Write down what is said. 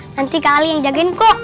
nanti kak ali yang jagain kok